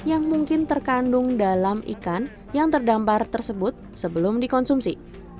yang mungkin terkandung dalam ikan yang terdampar tersebut sebelum dikonsumsi